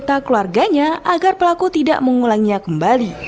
meminta keluarganya agar pelaku tidak mengulanginya kembali